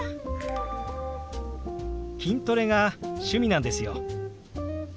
筋トレが趣味なんですよ。